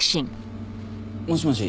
もしもし。